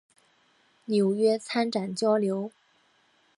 纽约参展交流